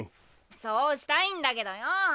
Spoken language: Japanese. そうしたいんだけどよぉ